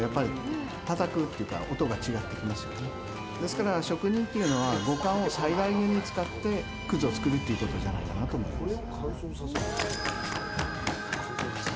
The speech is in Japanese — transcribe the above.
ですから職人というのは五感を最大限に使って葛を作るっていうことじゃないかなと思います。